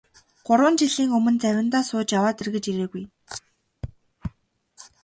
Гурван жилийн өмнө завиндаа сууж яваад эргэж ирээгүй.